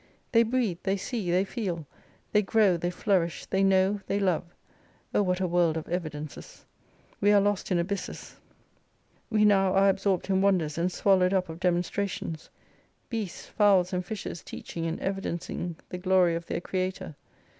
They breathe, they see, they feel, they grow, they flourish, they know, they love. O what a world of evidences ! We are lost in abysses, 95 we now are absorpt in wonders, and swallowed up of demonstrations. Beasts, fowls, and fishes teaching and evidencing the glory of their creator.